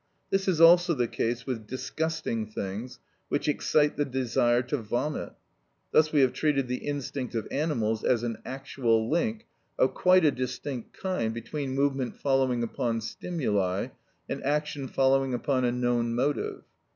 This is also the case with disgusting things, which excite the desire to vomit. Thus we have treated the instinct of animals as an actual link, of quite a distinct kind, between movement following upon stimuli, and action following upon a known motive.